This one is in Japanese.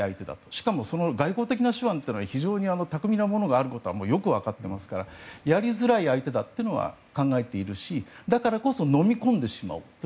しかも、その外交的な手腕は非常に巧みなものがあるのはよく分かってますからやりづらい相手というのは考えているし、だからこそのみ込んでしまおうと